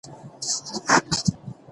ټکنالوژي راپور ورکولو بهير منظم کوي.